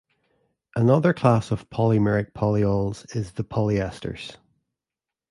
Another class of polymeric polyols is the polyesters.